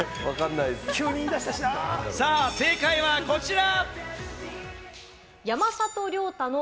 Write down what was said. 正解はこちら！